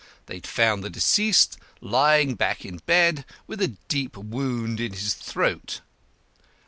They found the deceased lying back in bed with a deep wound in his throat.